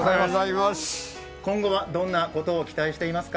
今後はどんなことを期待していますか？